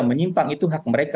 menyimpang itu hak mereka